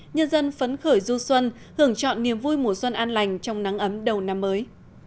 nhân dân phấn khởi du xuân hưởng chọn niềm vui mùa xuân an lành trong nắng ấm đầu năm mới